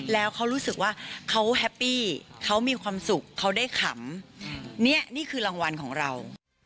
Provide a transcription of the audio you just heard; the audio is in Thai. แล้วเขารู้สึกว่าเขาแฮปปี้เขามีความสุขเขาได้ขำเนี่ยนี่คือรางวัลของเรา